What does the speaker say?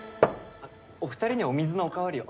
あっお２人にお水のお代わりを。